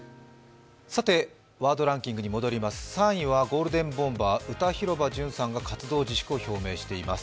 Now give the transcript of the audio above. ワードランキングに戻ります、３位はゴールデンボンバー、歌広場淳さんが活動自粛を表明しています。